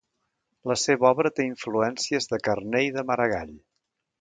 La seva obra té influències de Carner i de Maragall.